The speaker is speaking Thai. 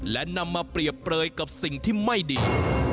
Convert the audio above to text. และนำมาเปรียบเปลยกับสิ่งที่ไม่ดี